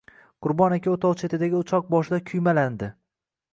Qurbon aka o‘tov chetidagi o‘choq boshida kuymalandi.